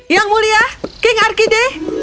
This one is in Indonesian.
yang mulia king arkide